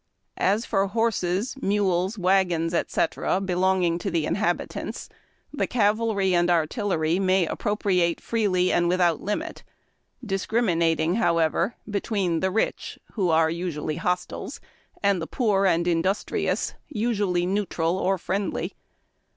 As for horses, mules, wagons, etc., belonging to the inhabitants, the cavalry and artillery may appropriate freely and without limit ; discriminating, however, between the rich, who are usually hostile, and the poor and industrious, usually neutral or friendly.